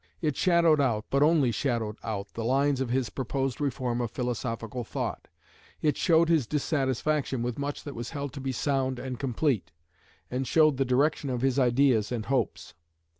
It shadowed out, but only shadowed out, the lines of his proposed reform of philosophical thought; it showed his dissatisfaction with much that was held to be sound and complete, and showed the direction of his ideas and hopes.